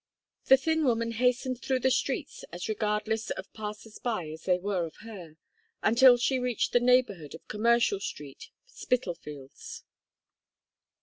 The thin woman hastened through the streets as regardless of passers by as they were of her, until she reached the neighbourhood of Commercial Street, Spitalfields.